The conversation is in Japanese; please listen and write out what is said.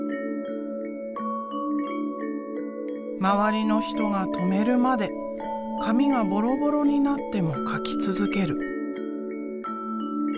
周りの人が止めるまで紙がボロボロになっても描き続ける。